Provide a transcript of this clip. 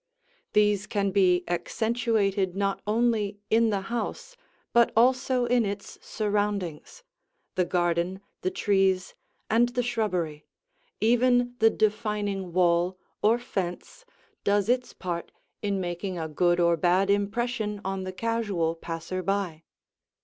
These can be accentuated not only in the house but also in its surroundings, the garden, the trees, and the shrubbery; even the defining wall or fence does its part in making a good or bad impression on the casual passer by.